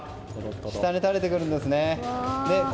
下に垂れてくるんですね。